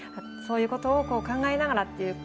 そういうことを考えながら。